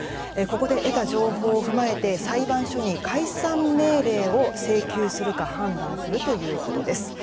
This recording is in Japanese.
ここで得た情報を踏まえて裁判所に解散命令を請求するか判断するということです。